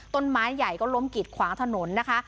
ต้นไม้ใหญ่ก็ล้มกิดขวางถนนนะคะ